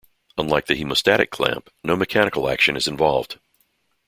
Unlike the hemostatic clamp, no mechanical action is involved.